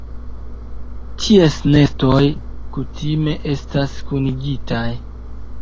Ties nestoj kutime estas kunigitaj.